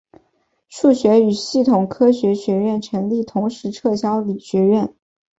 数学与系统科学学院成立同时撤销理学院。